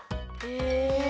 へえ。